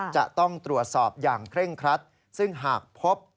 จะต้องตรวจสอบอย่างเคร่งครัดซึ่งหากพบ